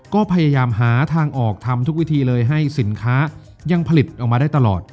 ก็พยายามหาทางออกทำทุกวิธีเลยให้สินค้ายังผลิตออกมาได้ตลอด